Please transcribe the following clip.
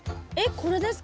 これですか？